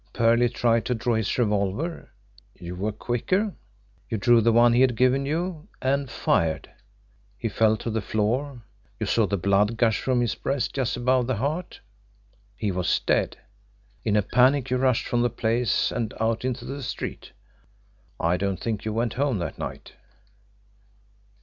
Perley tried to draw his revolver. You were quicker. You drew the one he had given you and fired. He fell to the floor you saw the blood gush from his breast just above the heart he was dead. In a panic you rushed from the place and out into the street. I don't think you went home that night."